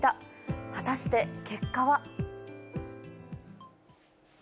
果たして結果は。